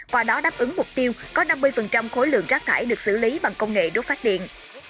qua đó đáp ứng mục tiêu có năm mươi khối lượng rác thải được xử lý bằng công nghệ đốt phát điện